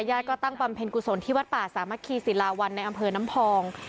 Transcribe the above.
ญาติก็ตั้งบำเพ็ญกุศลที่วัดป่าสามัคคีศิลาวันในอำเภอน้ำพอง